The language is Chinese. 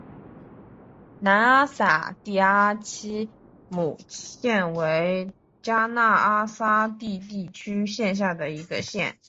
南阿散蒂阿基姆县为迦纳阿散蒂地区辖下的一县。